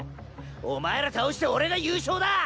お前ら倒して俺が優勝だ！